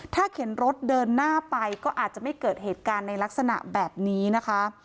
ถ้าเข็นรถเดินหน้าไปก็อาจจะไม่เกิดเหตุการณ์ในลักษณะแบบนี้นะคะ